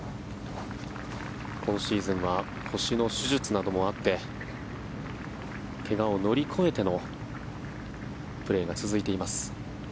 今シーズンは腰の手術などもあって怪我を乗り越えてのプレーが続いています。